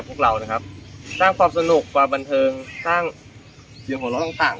กับพวกเรานะครับสร้างความสนุกความบรรทงสร้างสิ่งหัวร้อนต่าง